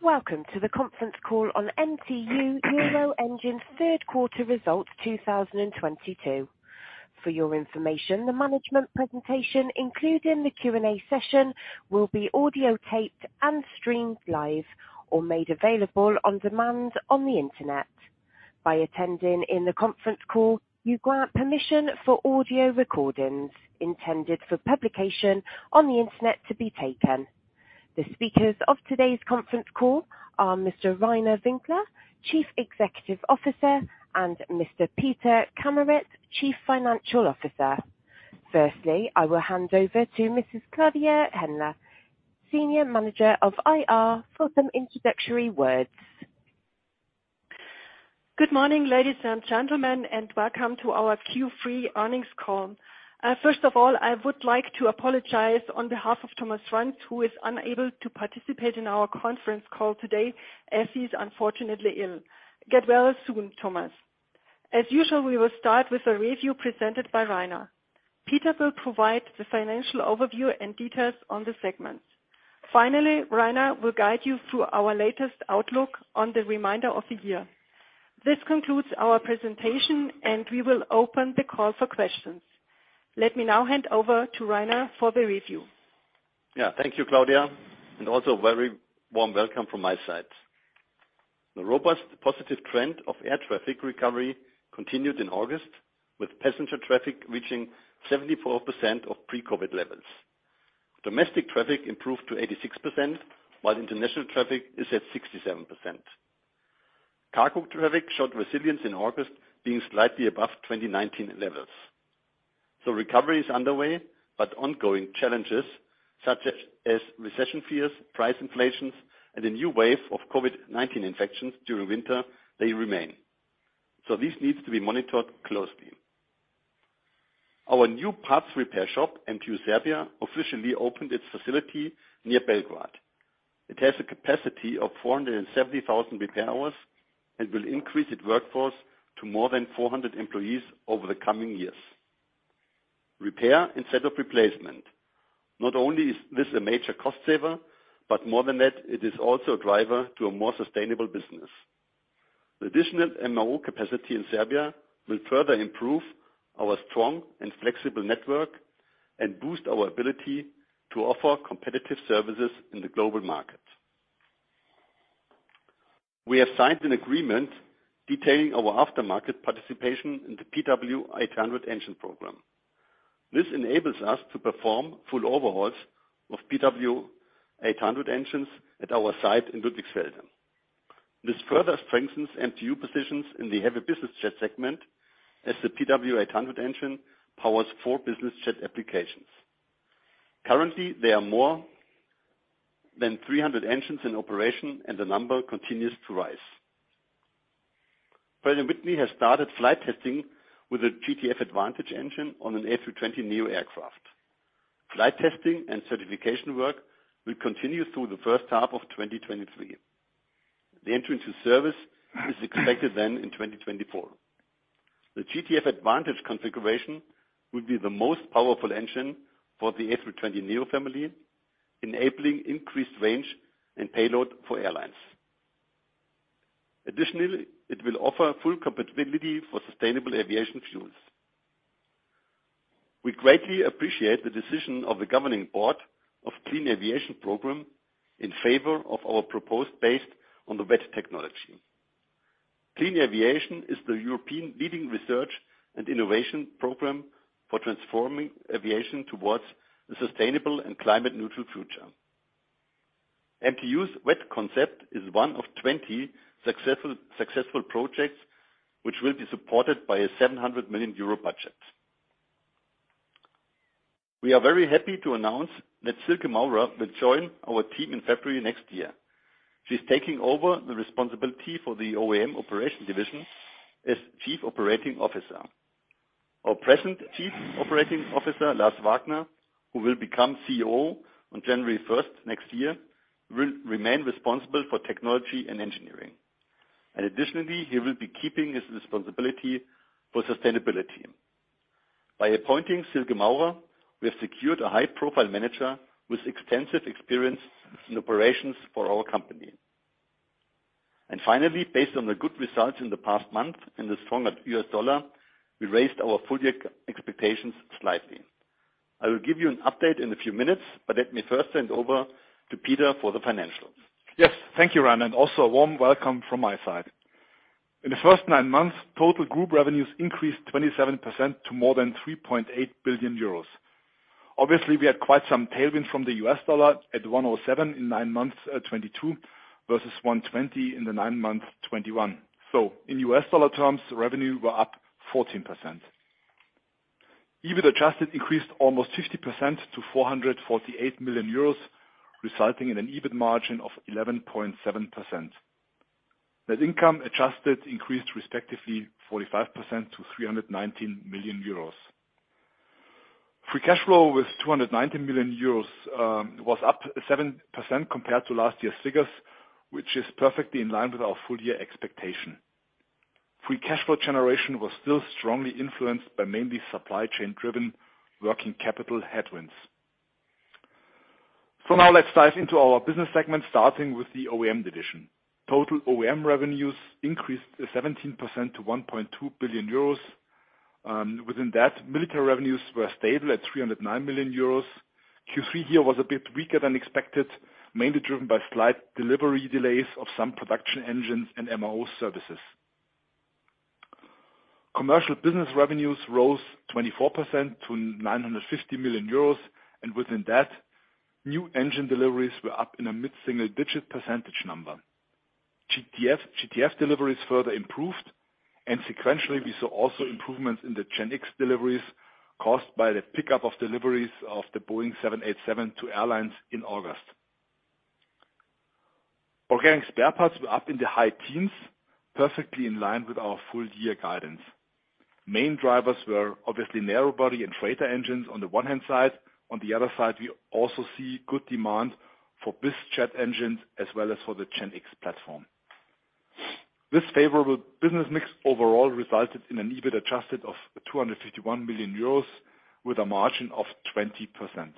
Welcome to the conference call on MTU Aero Engines third quarter results 2022. For your information, the management presentation, including the Q&A session, will be audio taped and streamed live or made available on demand on the internet. By attending in the conference call, you grant permission for audio recordings intended for publication on the internet to be taken. The speakers of today's conference call are Mr. Reiner Winkler, Chief Executive Officer, and Mr. Peter Kameritsch, Chief Financial Officer. Firstly, I will hand over to Mrs. Claudia Heinle, Senior Manager of IR, for some introductory words. Good morning, ladies and gentlemen, and welcome to our Q3 earnings call. First of all, I would like to apologize on behalf of Thomas Franz, who is unable to participate in our conference call today as he's unfortunately ill. Get well soon, Thomas. As usual, we will start with a review presented by Reiner. Peter will provide the financial overview and details on the segments. Finally, Reiner will guide you through our latest outlook on the remainder of the year. This concludes our presentation, and we will open the call for questions. Let me now hand over to Reiner for the review. Yeah. Thank you, Claudia, and also a very warm welcome from my side. The robust positive trend of air traffic recovery continued in August, with passenger traffic reaching 74% of pre-COVID-19 levels. Domestic traffic improved to 86%, while international traffic is at 67%. Cargo traffic showed resilience in August, being slightly above 2019 levels. Recovery is underway, but ongoing challenges, such as recession fears, price inflations, and a new wave of COVID-19 infections during winter, they remain. This needs to be monitored closely. Our new parts repair shop, MTU Serbia, officially opened its facility near Belgrade. It has a capacity of 470,000 repair hours and will increase its workforce to more than 400 employees over the coming years. Repair instead of replacement, not only is this a major cost saver, but more than that, it is also a driver to a more sustainable business. The additional MRO capacity in Serbia will further improve our strong and flexible network and boost our ability to offer competitive services in the global market. We have signed an agreement detailing our aftermarket participation in the PW800 engine program. This enables us to perform full overhauls of PW800 engines at our site in Ludwigsfelde. This further strengthens MTU's positions in the heavy business jet segment as the PW800 engine powers 4 business jet applications. Currently, there are more than 300 engines in operation, and the number continues to rise. Pratt & Whitney has started flight testing with a GTF Advantage engine on an A320neo aircraft. Flight testing and certification work will continue through the first half of 2023. The entrance to service is expected then in 2024. The GTF Advantage configuration will be the most powerful engine for the A320neo family, enabling increased range and payload for airlines. Additionally, it will offer full compatibility for sustainable aviation fuels. We greatly appreciate the decision of the governing board of Clean Aviation in favor of our proposal based on the WET technology. Clean Aviation is Europe's leading research and innovation program for transforming aviation towards a sustainable and climate-neutral future. MTU's WET concept is 1 of 20 successful projects which will be supported by a 700 million euro budget. We are very happy to announce that Silke Maurer will join our team in February next year. She's taking over the responsibility for the OEM operations division as Chief Operating Officer. Our present Chief Operating Officer, Lars Wagner, who will become CEO on January first next year, will remain responsible for technology and engineering. Additionally, he will be keeping his responsibility for sustainability. By appointing Silke Maurer, we have secured a high-profile manager with extensive experience in operations for our company. Finally, based on the good results in the past month and the stronger US dollar, we raised our full year expectations slightly. I will give you an update in a few minutes, but let me first hand over to Peter for the financials. Yes. Thank you, Reiner, and also a warm welcome from my side. In the first 9 months, total group revenues increased 27% to more than 3.8 billion euros. Obviously, we had quite some tailwind from the US dollar at 107 in 9 months, 2022 versus 120 in the 9 months 2021. In US dollar terms, revenue were up 14%. EBIT adjusted increased almost 50% to 448 million euros, resulting in an EBIT margin of 11.7%. Net income adjusted increased respectively 45% to 319 million euros. Free cash flow was 290 million euros, was up 7% compared to last year's figures, which is perfectly in line with our full-year expectation. Free cash flow generation was still strongly influenced by mainly supply chain driven working capital headwinds. Now let's dive into our business segment, starting with the OEM division. Total OEM revenues increased 17% to 1.2 billion euros. Within that, military revenues were stable at 309 million euros. Q3 here was a bit weaker than expected, mainly driven by slight delivery delays of some production engines and MRO services. Commercial business revenues rose 24% to 950 million euros, and within that, new engine deliveries were up in a mid-single digit percentage number. GTF deliveries further improved, and sequentially, we saw also improvements in the GEnx deliveries caused by the pickup of deliveries of the Boeing 787 to airlines in August. Organic spare parts were up in the high teens, perfectly in line with our full year guidance. Main drivers were obviously narrow body and freighter engines on the one hand side. On the other side, we also see good demand for BizJet engines as well as for the GEnx platform. This favorable business mix overall resulted in an EBIT adjusted of 251 million euros with a margin of 20%.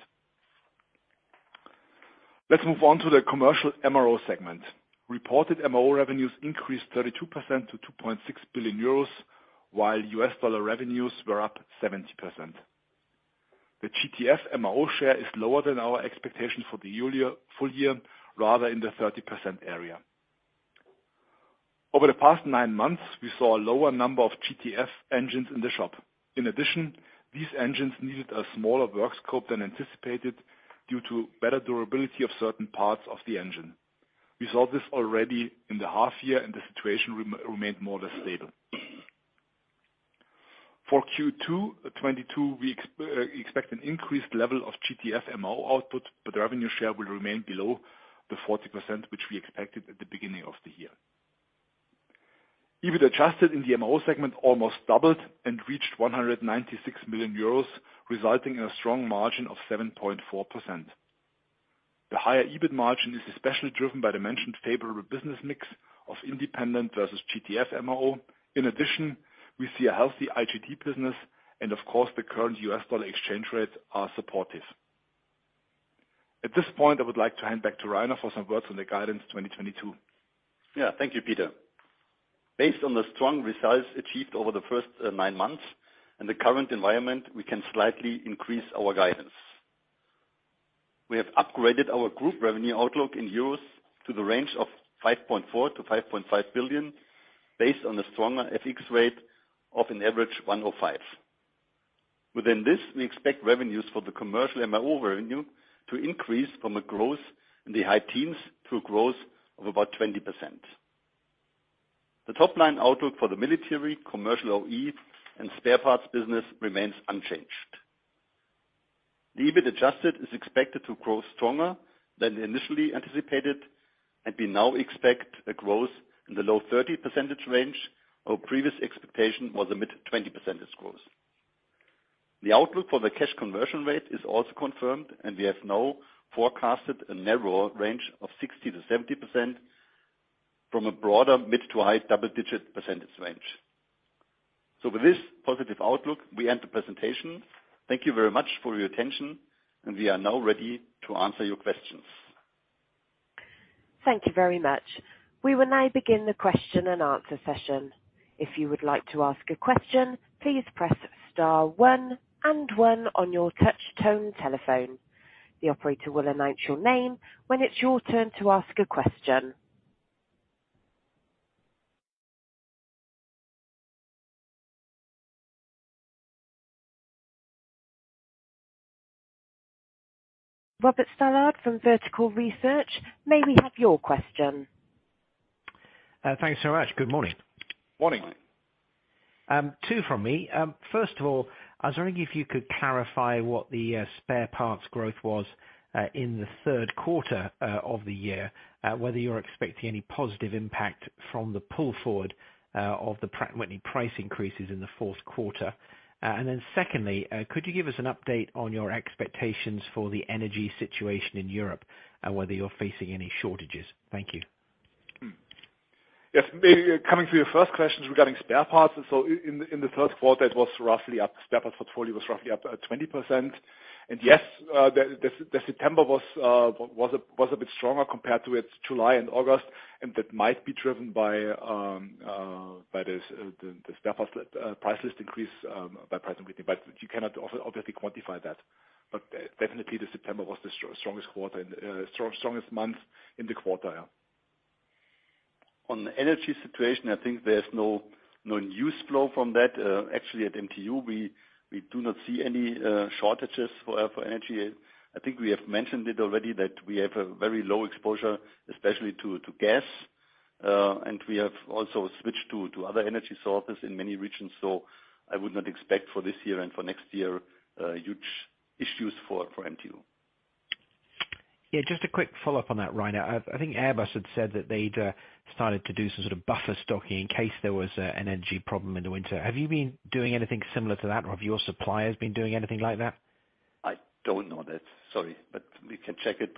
Let's move on to the commercial MRO segment. Reported MRO revenues increased 32% to 2.6 billion euros, while US dollar revenues were up 70%. The GTF MRO share is lower than our expectation for the full year, rather in the 30% area. Over the past 9 months, we saw a lower number of GTF engines in the shop. In addition, these engines needed a smaller work scope than anticipated due to better durability of certain parts of the engine. We saw this already in the half year, and the situation remained more or less stable. For Q2 2022, we expect an increased level of GTF MRO output, but the revenue share will remain below the 40% which we expected at the beginning of the year. EBIT adjusted in the MRO segment almost doubled and reached 196 million euros, resulting in a strong margin of 7.4%. The higher EBIT margin is especially driven by the mentioned favorable business mix of independent versus GTF MRO. In addition, we see a healthy IGT business and of course the current US dollar exchange rates are supportive. At this point, I would like to hand back to Reiner for some words on the guidance 2022. Thank you, Peter. Based on the strong results achieved over the first 9 months and the current environment, we can slightly increase our guidance. We have upgraded our group revenue outlook in euros to the range of 5.4 billion-5.5 billion, based on a stronger FX rate of an average 1.05. Within this, we expect revenues for the commercial MRO revenue to increase from a growth in the high teens to a growth of about 20%. The top line outlook for the military commercial OE and spare parts business remains unchanged. The EBIT adjusted is expected to grow stronger than initially anticipated, and we now expect a growth in the low 30% range. Our previous expectation was a mid 20% growth. The outlook for the cash conversion rate is also confirmed, and we have now forecasted a narrower range of 60%-70% from a broader mid to high double-digit percentage range. With this positive outlook, we end the presentation. Thank you very much for your attention, and we are now ready to answer your questions. Thank you very much. We will now begin the question and answer session. If you would like to ask a question, please press star one and one on your touch tone telephone. The operator will announce your name when it's your turn to ask a question. Robert Stallard from Vertical Research, may we have your question? Thanks so much. Good morning. Morning. 2 from me. First of all, I was wondering if you could clarify what the spare parts growth was in the third quarter of the year, whether you're expecting any positive impact from the pull forward of any price increases in the fourth quarter. Secondly, could you give us an update on your expectations for the energy situation in Europe and whether you're facing any shortages? Thank you. Yes. Maybe coming to your first questions regarding spare parts. In the first quarter, the spare parts portfolio was roughly up 20%. Yes, September was a bit stronger compared to its July and August, and that might be driven by the spare parts price list increase by price increasing. You cannot obviously quantify that. Definitely September was the strongest quarter and strongest month in the quarter, yeah. On the energy situation, I think there's no news flow from that. Actually, at MTU we do not see any shortages for energy. I think we have mentioned it already that we have a very low exposure, especially to gas, and we have also switched to other energy sources in many regions. I would not expect for this year and for next year huge issues for MTU. Yeah, just a quick follow-up on that, Reiner. I think Airbus had said that they'd started to do some sort of buffer stocking in case there was an energy problem in the winter. Have you been doing anything similar to that, or have your suppliers been doing anything like that? I don't know that. Sorry, but we can check it.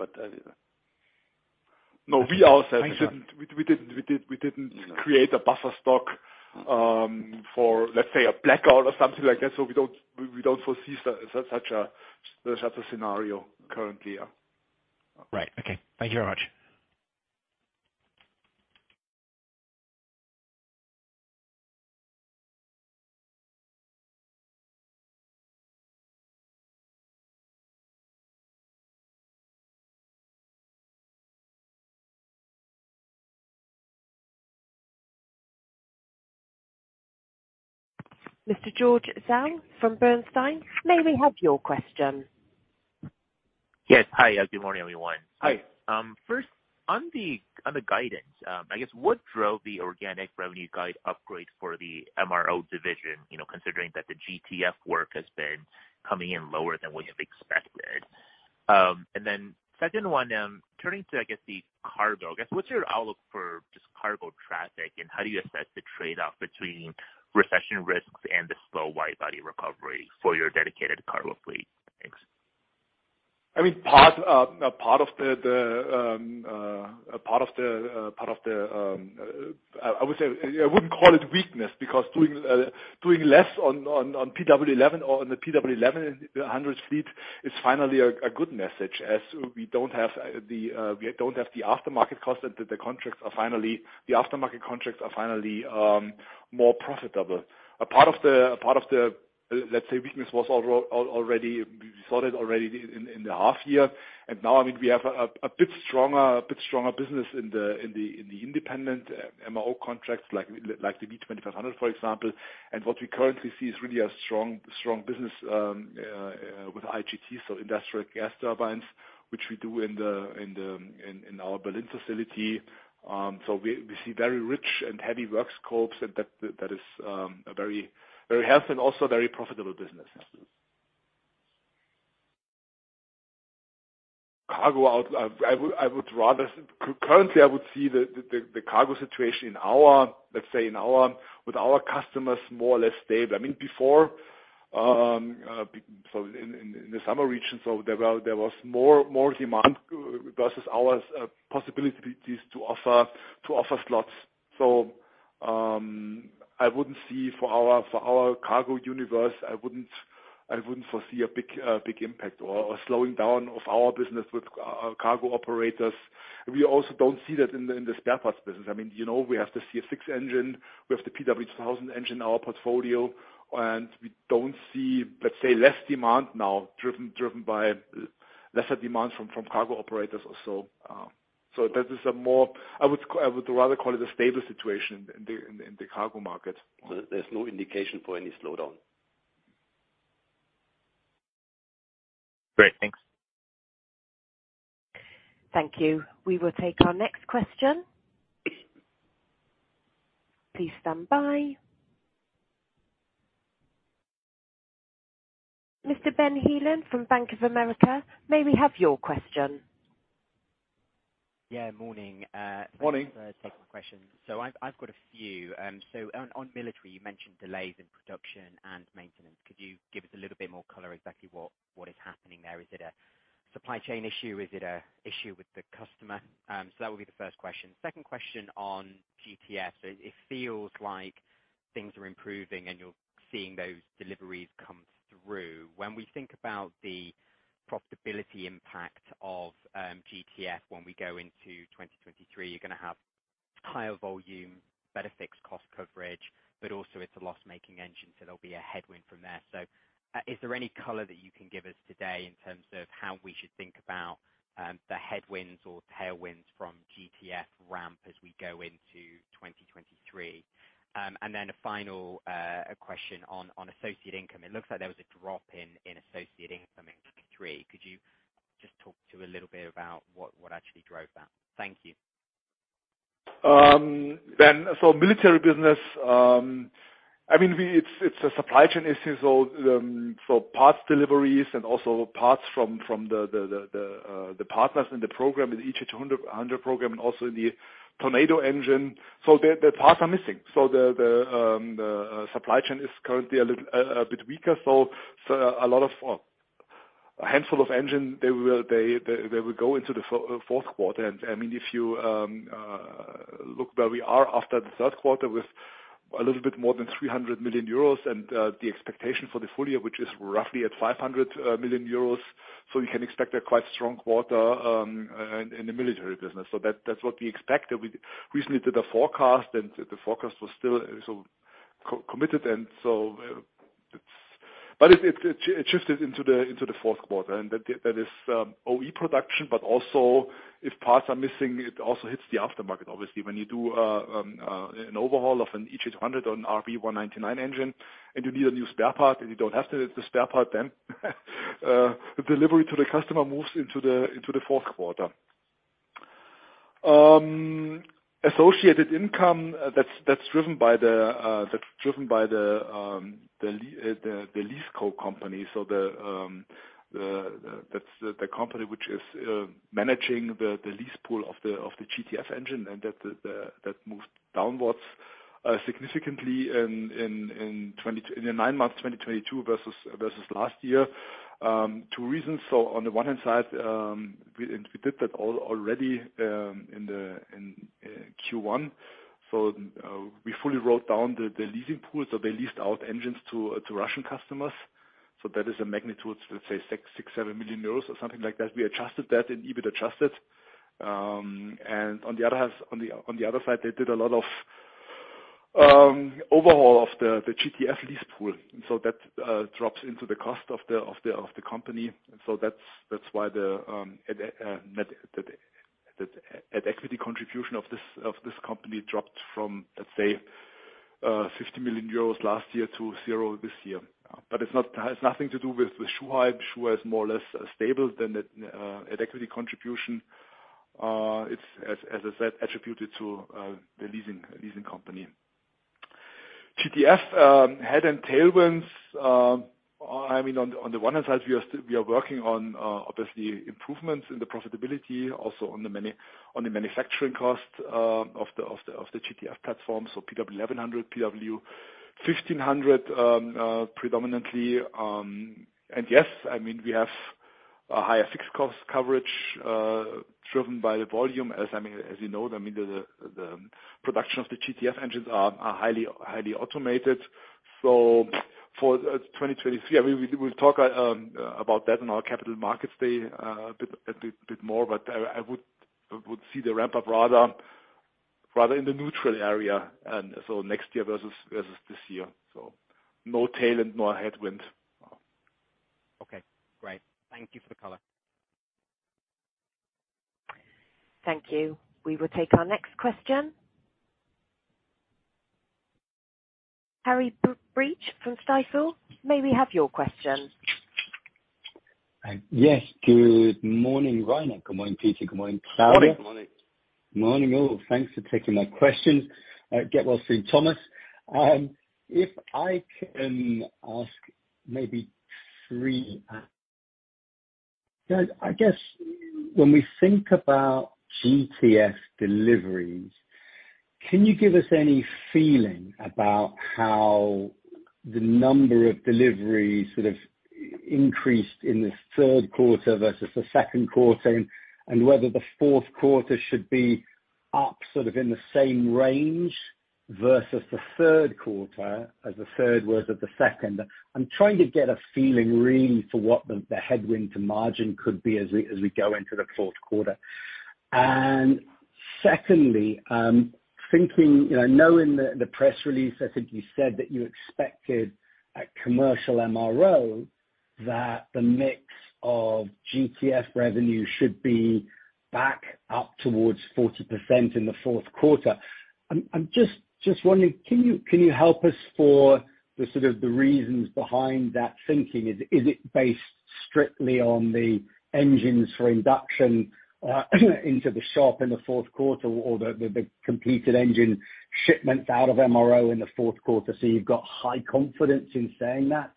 No, we ourselves didn't. We didn't create a buffer stock for let's say a blackout or something like that. We don't foresee such a scenario currently, yeah. Right. Okay. Thank you very much. Mr. George Zhao from Bernstein, may we have your question? Yes. Hi. Good morning, everyone. Hi. First on the guidance, I guess what drove the organic revenue guide upgrade for the MRO division, you know, considering that the GTF work has been coming in lower than what you've expected. Second one, turning to the cargo. I guess, what's your outlook for just cargo traffic, and how do you assess the trade-off between recession risks and the slow wide-body recovery for your dedicated cargo fleet? Thanks. I mean, part of the, I would say I wouldn't call it weakness because doing less on PW1100 or on the PW1100 fleet is finally a good message as we don't have the aftermarket cost and the aftermarket contracts are finally more profitable. Part of the, let's say, weakness was already. We saw that already in the half year. Now, I mean, we have a bit stronger business in the independent MRO contracts like the V2500, for example. What we currently see is really a strong business with IGT, so industrial gas turbines, which we do in our Berlin facility. We see very rich and heavy work scopes and that is a very healthy and also very profitable business. Currently I would rather see the cargo situation in our, let's say, with our customers more or less stable. I mean, before, in the summer region, there was more demand versus our possibilities to offer slots. I wouldn't see for our cargo universe, I wouldn't foresee a big impact or slowing down of our business with cargo operators. We also don't see that in the spare parts business. I mean, you know, we have the CF6 engine, we have the PW2000 engine in our portfolio, and we don't see, let's say less demand now driven by lesser demand from cargo operators or so. This is a more I would rather call it a stable situation in the cargo market. There's no indication for any slowdown. Great. Thanks. Thank you. We will take our next question. Please stand by. Mr. Benjamin Heelan from Bank of America, may we have your question? Yeah. Morning. Morning. Thanks for taking the question. I've got a few. On military, you mentioned delays in production and maintenance. Could you give us a little bit more color exactly what is happening there? Is it a supply chain issue? Is it an issue with the customer? That would be the first question. Second question on GTF. It feels like things are improving and you're seeing those deliveries come through. When we think about the profitability impact of GTF when we go into 2023, you're gonna have higher volume, better fixed cost coverage, but also it's a loss-making engine, so there'll be a headwind from there. Is there any color that you can give us today in terms of how we should think about the headwinds or tailwinds from GTF ramp as we go into 2023? A final question on associate income. It looks like there was a drop in associate income in Q3. Could you just talk a little bit about what actually drove that? Thank you. Ben, military business, I mean, it's a supply chain issue. Parts deliveries and also parts from the partners in the program with EJ200 program and also in the Tornado engine. The parts are missing. The supply chain is currently a little bit weaker. A lot of engines, a handful of engines, they will go into the fourth quarter. I mean, if you look where we are after the third quarter with a little bit more than 300 million euros and the expectation for the full year, which is roughly at 500 million euros. We can expect a quite strong quarter in the military business. That's what we expect. We recently did a forecast, and the forecast was still so committed. It shifted into the fourth quarter, and that is OE production, but also if parts are missing, it also hits the aftermarket. Obviously, when you do an overhaul of an EJ200 on RB199 engine and you need a new spare part and you don't have the spare part, then the delivery to the customer moves into the fourth quarter. Associated income, that's driven by the LeaseCo company. That's the company which is managing the lease pool of the GTF engine and that moves downwards significantly in the 9 months 2022 versus last year. 2 reasons. On the one hand side, we did that already in Q1. We fully wrote down the leasing pools of the leased out engines to Russian customers. That is a magnitude, let's say 6-7 million euros or something like that. We adjusted that and EBIT adjusted. On the other hand, they did a lot of overhaul of the GTF lease pool. That drops into the cost of the company. That's why the net equity contribution of this company dropped from, let's say, 50 million euros last year to 0 this year. It's not. It has nothing to do with Shanghai. Shanghai is more or less stable than the net equity contribution. It's as I said, attributed to the leasing company. GTF head and tailwinds. I mean, on the one hand side we are still working on obviously improvements in the profitability, also on the manufacturing costs of the GTF platform, so PW1100, PW1500 predominantly. Yes, I mean, we have a higher fixed cost coverage, driven by the volume as, I mean, as you know, I mean, the production of the GTF engines are highly automated. For 2023, I mean, we will talk about that in our Capital Markets Day a bit more, but I would see the ramp up rather in the neutral area and next year versus this year. No tail and no headwind. Okay, great. Thank you for the color. Thank you. We will take our next question. Harry Breach from Stifel, may we have your question? Yes. Good morning, Reiner. Good morning, Peter. Good morning, Claudia. Morning. Morning. Morning, all. Thanks for taking my questions. Get well soon, Thomas. If I can ask maybe 3, guys, I guess when we think about GTF deliveries, can you give us any feeling about how the number of deliveries sort of increased in the third quarter versus the second quarter, and whether the fourth quarter should be up sort of in the same range versus the third quarter, as the third was to the second? I'm trying to get a feeling really for what the headwind to margin could be as we go into the fourth quarter. Secondly, thinking, you know, knowing the press release, I think you said that you expected a commercial MRO, that the mix of GTF revenue should be back up towards 40% in the fourth quarter. I'm just wondering, can you help us for the sort of reasons behind that thinking? Is it based strictly on the engines for induction into the shop in the fourth quarter or the completed engine shipments out of MRO in the fourth quarter so you've got high confidence in saying that?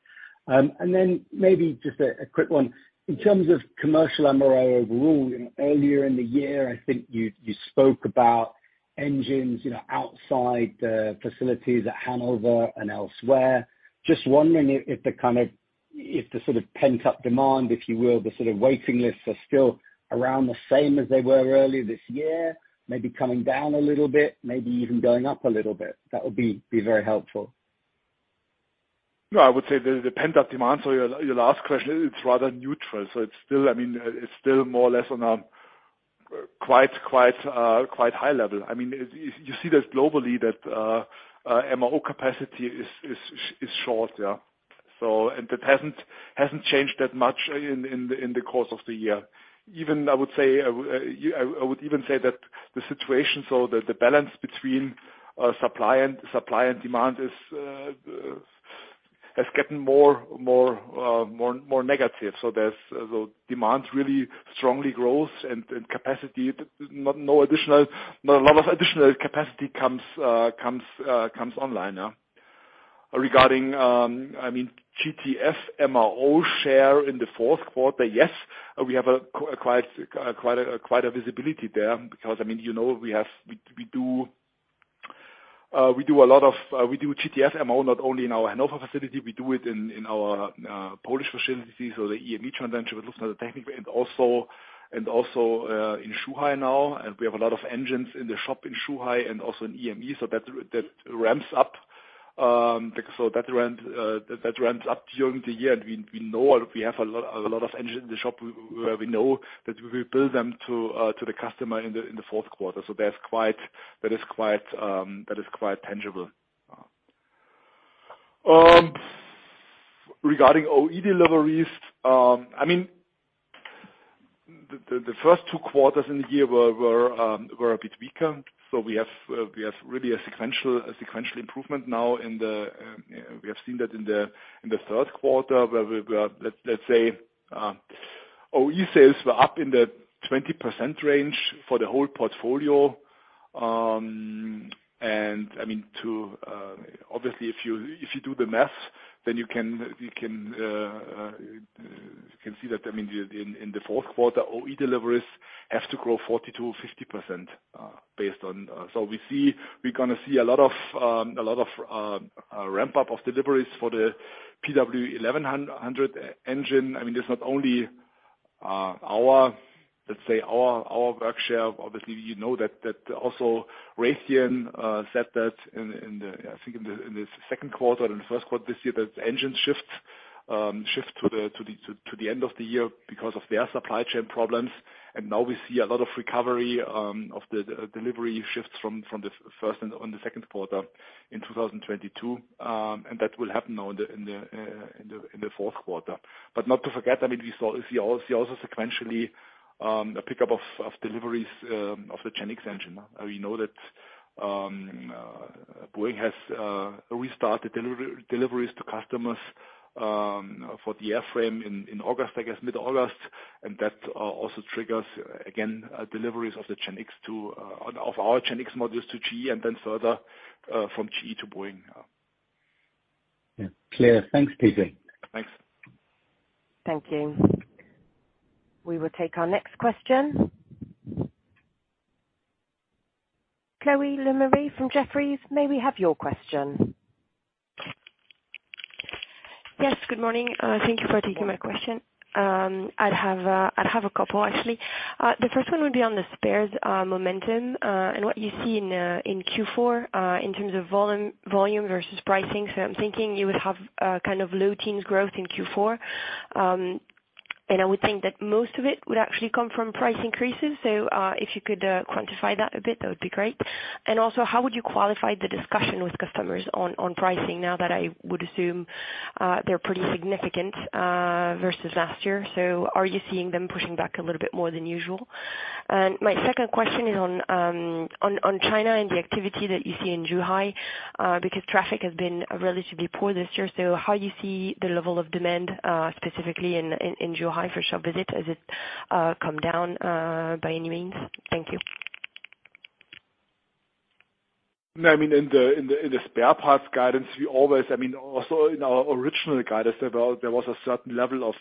Then maybe just a quick one. In terms of commercial MRO overall, you know, earlier in the year, I think you spoke about engines, you know, outside the facilities at Hanover and elsewhere. Just wondering if the sort of pent-up demand, if you will, the sort of waiting lists are still around the same as they were earlier this year, maybe coming down a little bit, maybe even going up a little bit. That would be very helpful. No, I would say the pent-up demand, so your last question, it's rather neutral. It's still, I mean, it's still more or less on a quite high level. I mean, you see that globally that MRO capacity is short, yeah. That hasn't changed that much in the course of the year. I would even say that the situation, so the balance between supply and demand has gotten more negative. The demand really strongly grows and no additional, not a lot of additional capacity comes online now. Regarding, I mean, GTF MRO share in the fourth quarter, yes, we have quite a visibility there because, I mean, you know, we have, we do a lot of, we do GTF MRO not only in our Hanover facility, we do it in our Polish facility, so the EME Aero engine. Regarding OE deliveries, I mean, the first 2Q in the year were a bit weaker, so we have really a sequential improvement now. We have seen that in the third quarter, let's say, OE sales were up in the 20% range for the whole portfolio, and I mean, obviously, if you do the math, then you can see that, I mean, in the fourth quarter, OE deliveries have to grow 40%-50%, based on. We see we're gonna see a lot of ramp-up of deliveries for the PW1000 engine. I mean, it's not only our work share. Obviously, you know that Raytheon said that in the second quarter and the first quarter this year, that the engine shipments shift to the end of the year because of their supply chain problems. Now we see a lot of recovery of the delivery shipments from the first and the second quarter in 2022. That will happen now in the fourth quarter. Not to forget, I mean, we see also sequentially a pickup of deliveries of the GEnx engine. We know that Boeing has restarted deliveries to customers for the airframe in August, I guess, mid-August. That also triggers again deliveries of our GEnx modules to GE and then further from GE to Boeing. Yeah. Clear. Thanks, Peter. Thanks. Thank you. We will take our next question. Chloé Lemarié from Jefferies, may we have your question? Yes. Good morning. Thank you for taking my question. I'd have a couple actually. The first one would be on the spares momentum, and what you see in Q4, in terms of volume versus pricing. I'm thinking you would have kind of low teens growth in Q4. I would think that most of it would actually come from price increases. If you could quantify that a bit, that would be great. Also, how would you qualify the discussion with customers on pricing now that I would assume they're pretty significant versus last year? Are you seeing them pushing back a little bit more than usual? My second question is on China and the activity that you see in Zhuhai, because traffic has been relatively poor this year. How you see the level of demand specifically in Zhuhai for shop visit? Has it come down by any means? Thank you. No, I mean, in the spare parts guidance, I mean, also in our original guidance, there was a certain level of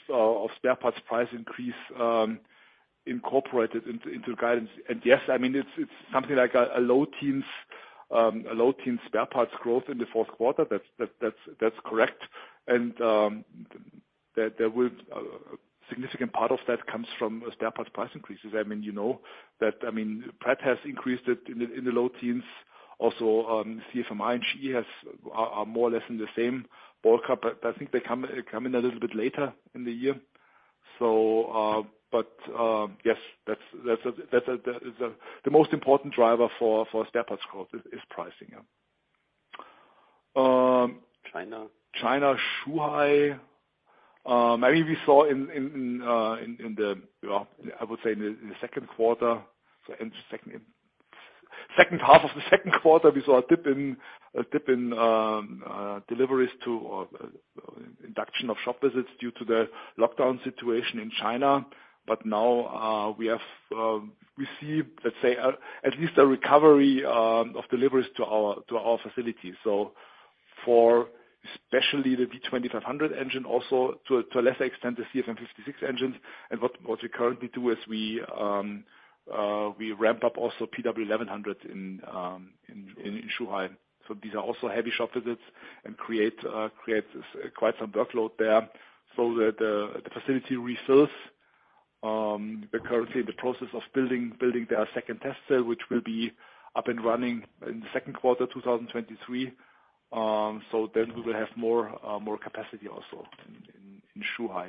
spare parts price increase incorporated into the guidance. Yes, I mean, it's something like a low teens spare parts growth in the fourth quarter. That's correct. There will a significant part of that comes from spare parts price increases. I mean, you know that, I mean, Pratt has increased it in the low teens also. CFMI and GE are more or less in the same ballpark. But I think they come in a little bit later in the year. Yes, that's the most important driver for spare parts growth is pricing, yeah. China. China, Zhuhai, maybe we saw in the second half of the second quarter, we saw a dip in deliveries to, or induction of shop visits due to the lockdown situation in China. Now we have received, let's say, at least a recovery of deliveries to our facilities. For especially the V2500 engine, also to a lesser extent, the CFM56 engines. What we currently do is we ramp up also PW1100 in Zhuhai. These are also heavy shop visits and create quite some workload there. The facility resource, they're currently in the process of building their second test cell, which will be up and running in the second quarter 2023. We will have more capacity also in Zhuhai.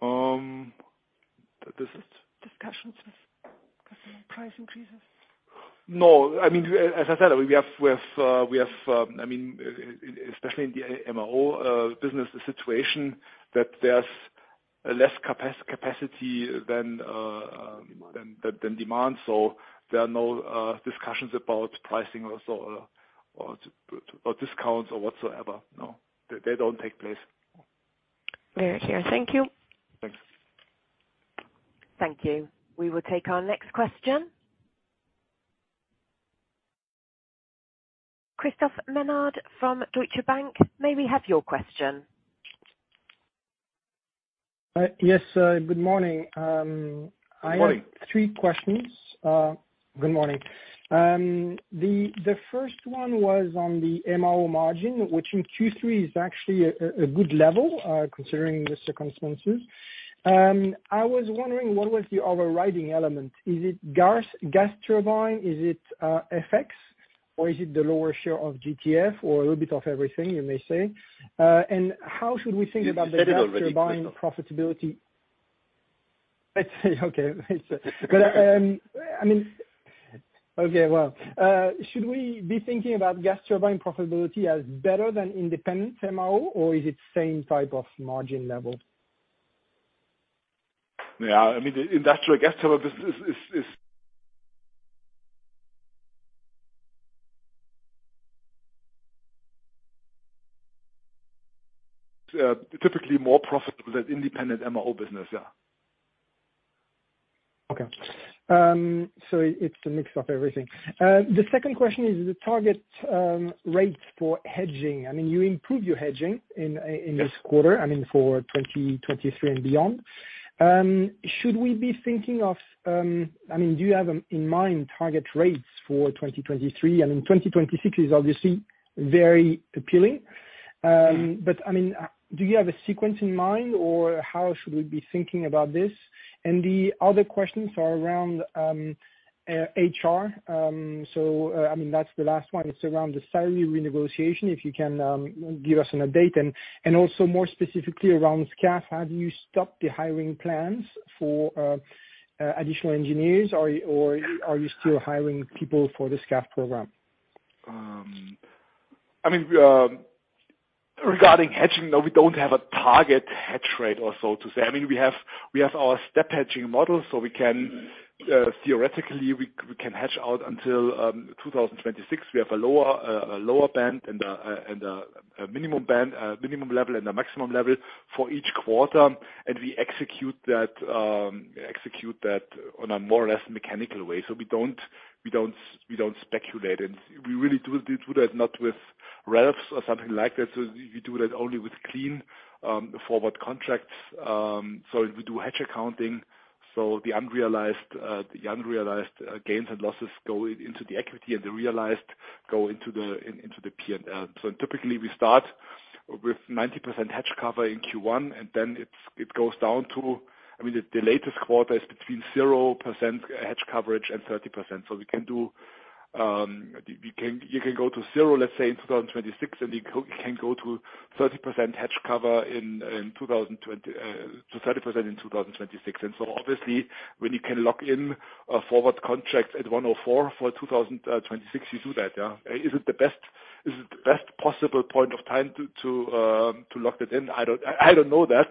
That is it. Discussions with customer price increases? No. I mean, as I said, we have I mean, especially in the MRO business situation, that there's less capacity than demand. So there are no discussions about pricing or so, or discounts or whatsoever, no. They don't take place. Very clear. Thank you. Thanks. Thank you. We will take our next question. Christophe Menard from Deutsche Bank, may we have your question? Yes, good morning. Good morning. I have 3 questions. Good morning. The first one was on the MRO margin, which in Q3 is actually a good level, considering the circumstances. I was wondering what was the overriding element. Is it gas turbine? Is it FX, or is it the lower share of GTF or a little bit of everything, you may say? And how should we think about the- You said it already. Gas turbine profitability? Let's say, okay. I mean, okay, well, should we be thinking about gas turbine profitability as better than independent MRO or is it same type of margin level? Yeah. I mean, the industrial gas turbine business is typically more profitable than independent MRO business, yeah. It's a mix of everything. The second question is the target rates for hedging. I mean, you improved your hedging in this quarter- Yes. I mean, for 2023 and beyond. Should we be thinking of? I mean, do you have in mind target rates for 2023? I mean, 2026 is obviously very appealing. But I mean, do you have a sequence in mind or how should we be thinking about this? The other questions are around HR. I mean, that's the last one. It's around the salary renegotiation, if you can give us an update and also more specifically around FCAS, have you stopped the hiring plans for additional engineers or are you still hiring people for the FCAS program? I mean, regarding hedging, no, we don't have a target hedge rate or so to say. I mean, we have our step hedging models, so we can theoretically hedge out until 2026. We have a lower band and a minimum level and a maximum level for each quarter. We execute that on a more or less mechanical way. We don't speculate. We really do that not with relfs or something like this. We do that only with clean forward contracts. We do hedge accounting, so the unrealized gains and losses go into the equity and the realized go into the PNL. Typically we start with 90% hedge cover in Q1, and then it goes down to. The latest quarter is between 0% hedge coverage and 30%. We can go to zero, let's say, in 2026, and you can go to 30% hedge cover in 2020 to 30% in 2026. Obviously, when you can lock in a forward contract at 1.04 for 2026, you do that. Is it the best possible point of time to lock that in? I don't know that.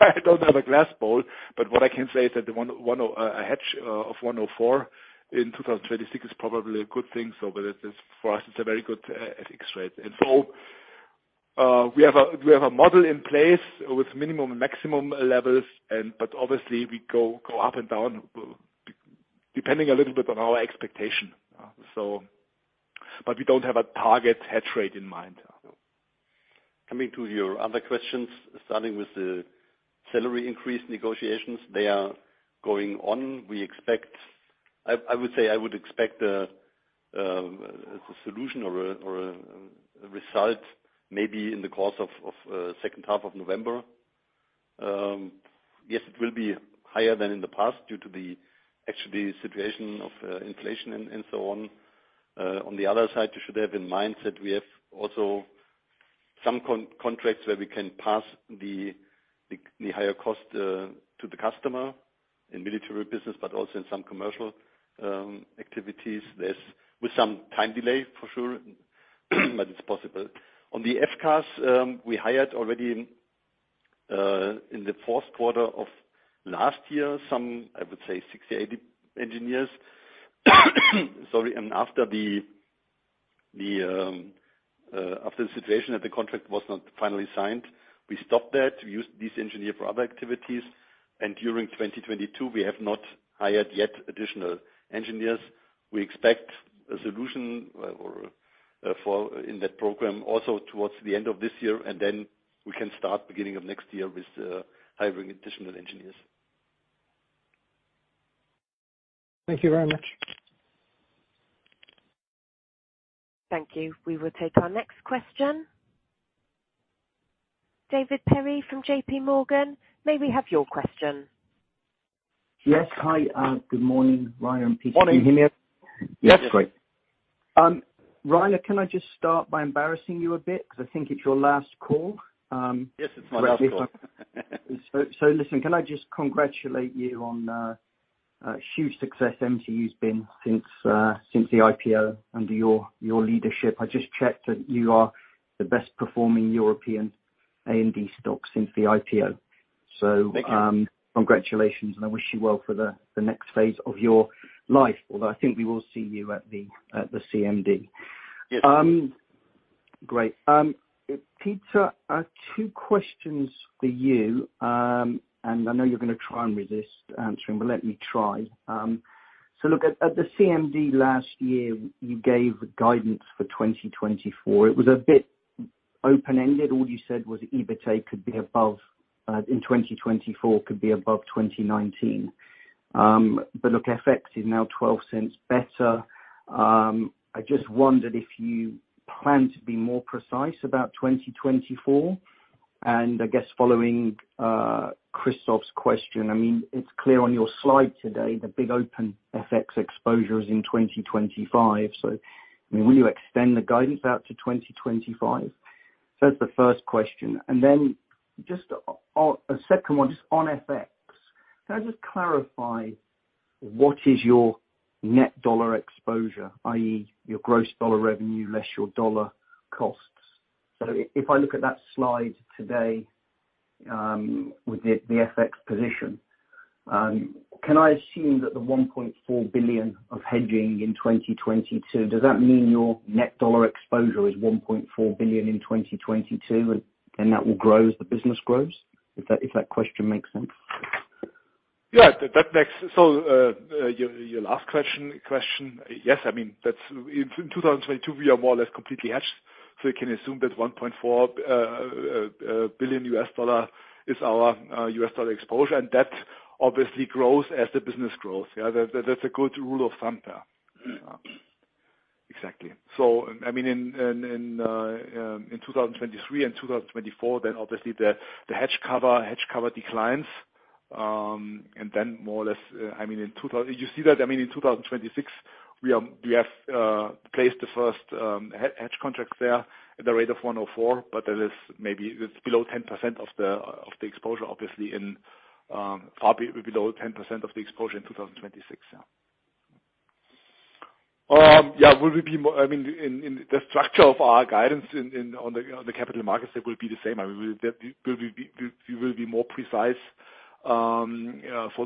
I don't have a crystal ball, but what I can say is that a hedge of 1.04 in 2026 is probably a good thing. For us it's a very good FX rate. We have a model in place with minimum and maximum levels, but obviously we go up and down depending a little bit on our expectation. But we don't have a target hedge rate in mind. Coming to your other questions, starting with the salary increase negotiations, they are going on. We expect I would say I would expect a solution or a result maybe in the course of second half of November. Yes, it will be higher than in the past due to the actual situation of inflation and so on. On the other side, you should have in mind that we have also some contracts where we can pass the higher cost to the customer in military business, but also in some commercial activities. There is, with some time delay for sure, but it's possible. On the FCAS, we hired already in the fourth quarter of last year some I would say 60-80 engineers. Sorry. After the situation that the contract was not finally signed, we stopped that. We used these engineers for other activities. During 2022, we have not hired yet additional engineers. We expect a solution or for in that program also towards the end of this year, and then we can start beginning of next year with hiring additional engineers. Thank you very much. Thank you. We will take our next question. David Perry from JPMorgan, may we have your question? Yes. Hi. Good morning, Reiner Winkler and Peter Kameritsch. Morning. Can you hear me? Yes. That's great. Peter Kameritsch, can I just start by embarrassing you a bit because I think it's your last call. Yes, it's my last call. Listen, can I just congratulate you on a huge success MTU's been since the IPO under your leadership. I just checked that you are the best performing European A&D stock since the IPO. Thank you. Congratulations, and I wish you well for the next phase of your life, although I think we will see you at the CMD. Yes. Great. Peter, 2 questions for you. I know you're gonna try and resist answering, but let me try. Look at the CMD last year, you gave the guidance for 2024. It was a bit open-ended. All you said was EBITA could be above in 2024, could be above 2019. Look, FX is now 12 cents better. I just wondered if you plan to be more precise about 2024. I guess following Christophe's question, I mean, it's clear on your slide today, the big open FX exposure is in 2025. Will you extend the guidance out to 2025? That's the first question. Then just a second one just on FX. Can I just clarify what is your net dollar exposure, i.e. Your gross dollar revenue less your dollar costs? If I look at that slide today, with the FX position, can I assume that the $1.4 billion of hedging in 2022, does that mean your net dollar exposure is $1.4 billion in 2022? Then that will grow as the business grows? If that question makes sense. Yeah. That makes sense. Your last question, yes. I mean, that's in 2022 we are more or less completely hedged. We can assume that $1.4 billion is our US dollar exposure and that obviously grows as the business grows. Yeah, that's a good rule of thumb there. Exactly. I mean in 2023 and 2024 then obviously the hedge cover declines. Then more or less, I mean, in 2025. You see that, I mean, in 2026 we have placed the first hedge contract there at the rate of 1.04, but that is maybe. It's below 10% of the exposure, obviously far below 10% of the exposure in 2026, yeah. We will be more. I mean, in the structure of our guidance on the capital markets, it will be the same. I mean, we will be more precise for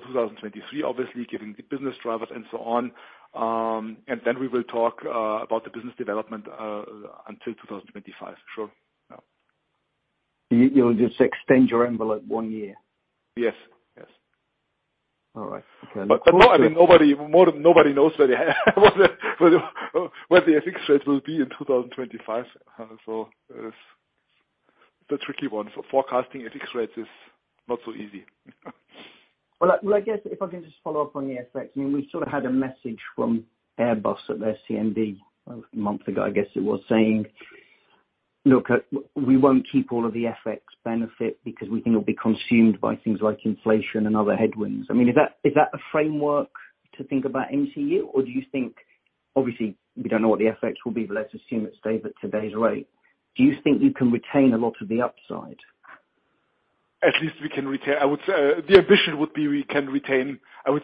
2023 obviously giving the business drivers and so on. Then we will talk about the business development until 2025. Sure. Yeah. You'll just extend your envelope 1 year? Yes. Yes. All right. Okay. I mean, more than anybody knows what the FX rates will be in 2025. It's the tricky one. Forecasting FX rates is not so easy. Well, I guess if I can just follow-up on the FX. I mean, we sort of had a message from Airbus at their CMD a month ago, I guess it was, saying, "Look, we won't keep all of the FX benefit because we think it'll be consumed by things like inflation and other headwinds." I mean, is that a framework to think about MTU? Or do you think, obviously, we don't know what the FX will be, but let's assume it stays at today's rate. Do you think you can retain a lot of the upside? At least we can retain. I would say the ambition would be we can retain. Well,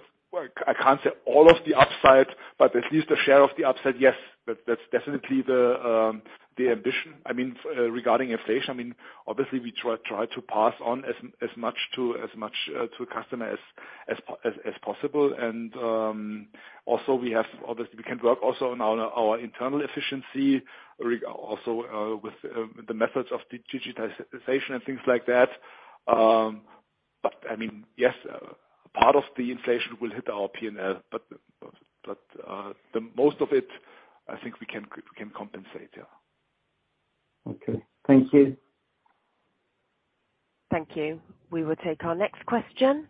I can't say all of the upside, but at least a share of the upside, yes. That's definitely the ambition. I mean, regarding inflation, I mean, obviously we try to pass on as much to customer as possible. Also we have, obviously, we can work also on our internal efficiency also with the methods of the digitization and things like that. But I mean, yes, part of the inflation will hit our P&L, but the most of it I think we can compensate. Yeah. Okay. Thank you. Thank you. We will take our next question.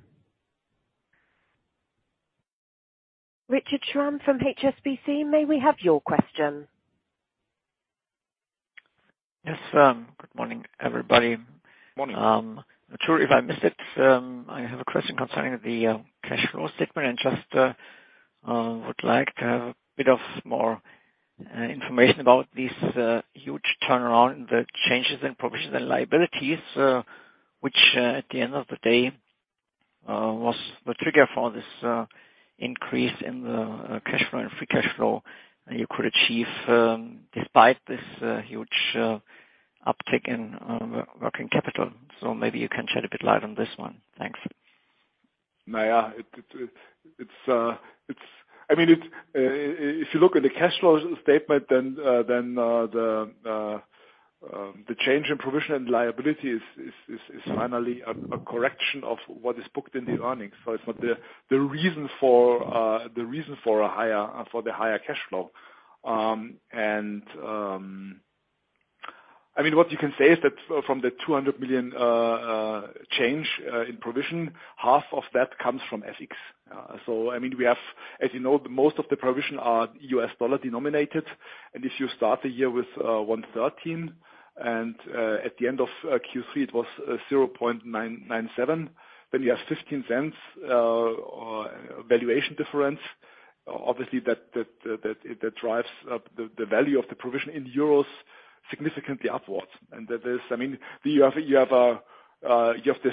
Richard Schramm from HSBC, may we have your question? Yes. Good morning, everybody. Morning. Not sure if I missed it. I have a question concerning the cash flow statement and just would like to have a bit of more information about this huge turnaround in the changes in provisions and liabilities, which at the end of the day was the trigger for this increase in the cash flow and free cash flow you could achieve, despite this huge uptick in working capital. Maybe you can shed a bit light on this one. Thanks. I mean, if you look at the cash flow statement then, the change in provision and liability is finally a correction of what is booked in the earnings. It's not the reason for the higher cash flow. I mean, what you can say is that from the 200 million change in provision, half of that comes from FX. I mean, we have, as you know, most of the provision are US dollar denominated, and if you start the year with 1.13 and at the end of Q3, it was 0.997, then you have 0.15 valuation difference. Obviously that drives up the value of the provision in euros significantly upwards. That is, I mean, you have the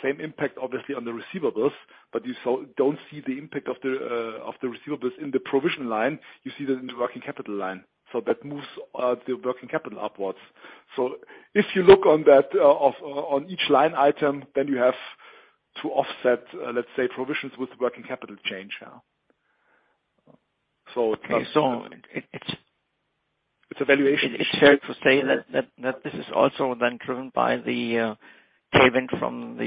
same impact obviously on the receivables, but you also don't see the impact of the receivables in the provision line. You see that in the working capital line. That moves the working capital upwards. If you look at that on each line item, then you have to offset, let's say, provisions with working capital change. Yeah. Okay. It's a valuation issue. It's fair to say that this is also then driven by the payment from the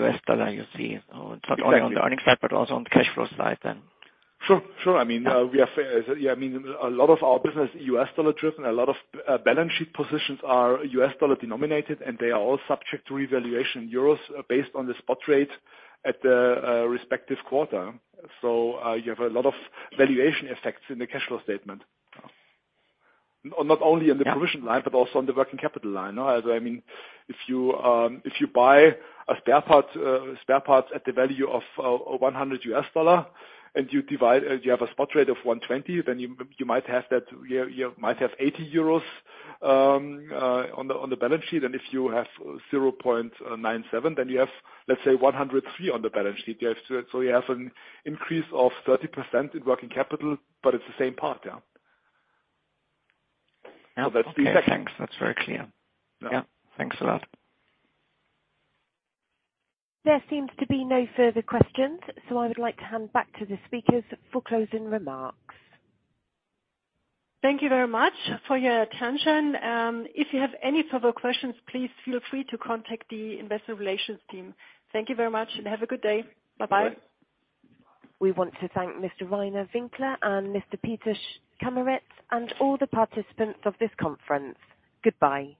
US dollar you see. Exactly. It's not only on the earnings side but also on the cash flow side then. Sure. I mean, we are hedged. Yeah, I mean, a lot of our business U.S. dollar driven, a lot of balance sheet positions are U.S. dollar denominated, and they are all subject to revaluation to euros based on the spot rate at the respective quarter. You have a lot of valuation effects in the cash flow statement. Not only in the- Yeah. provision line, but also on the working capital line. I mean, if you buy a spare parts at the value of $100 and you have a spot rate of 1.20, then you might have that, you might have 80 euros on the balance sheet. If you have 0.97, then you have, let's say, 103 on the balance sheet. You have an increase of 30% in working capital, but it's the same part, yeah. That's the effect. Okay, thanks. That's very clear. Yeah. Yeah. Thanks a lot. There seems to be no further questions, so I would like to hand back to the speakers for closing remarks. Thank you very much for your attention. If you have any further questions, please feel free to contact the investor relations team. Thank you very much and have a good day. Bye-bye. Bye. We want to thank Mr. Reiner Winkler and Mr. Peter Kameritsch and all the participants of this conference. Goodbye.